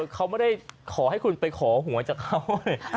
เขาไม่ได้ขอให้คุณไปขอหวยจากเขา